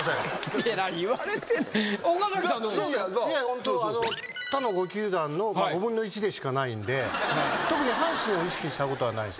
本当他の５球団の５分の１でしかないんで特に阪神を意識したことはないです。